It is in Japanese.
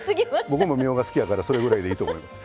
僕もみょうが好きやからそれぐらいでいいと思います。